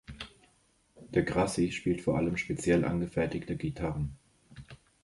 De Grassi spielt vor allem speziell angefertigte Gitarren.